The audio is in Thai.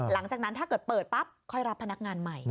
หลังจากนั้นถ้าเกิดเปิดปั๊บค่อยรับพนักงานใหม่